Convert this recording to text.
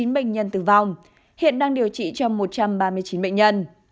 một mươi chín bệnh nhân tử vong hiện đang điều trị cho một trăm ba mươi chín bệnh nhân